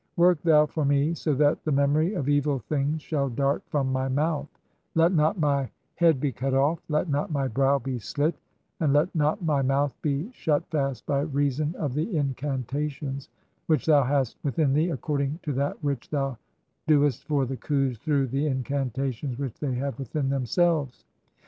Work thou "for me so that the memory of evil things shall dart (5) from "my mouth ; let not my head be cut off ; let not my brow be "slit ; and let not my mouth be shut fast by reason of the in cantations which thou hast within thee, according to that which "thou doest for the Khus through (6) the incantations which "they have within themselves.